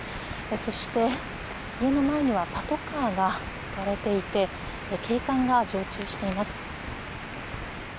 そして、家の前にはパトカーが止まっていて警官が常駐しています。